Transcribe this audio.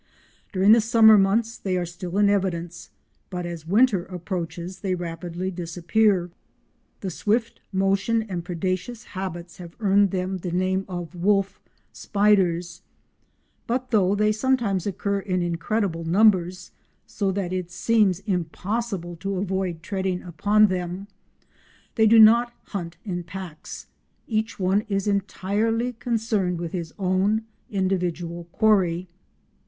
During the summer months they are still in evidence, but as winter approaches they rapidly disappear. The swift motion and predaceous habits have earned them the name of wolf spiders, but though they sometimes occur in incredible numbers so that it seems impossible to avoid treading upon them, they do not hunt in packs; each one is entirely concerned with his own individual quarry.